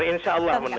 insya allah mendengar